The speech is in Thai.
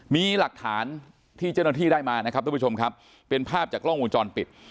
มีหลักฐานที่เจ้าหน้าที่ได้มานะครับทุกผู้ชมครับเป็นภาพจากกล้องวงจรปิด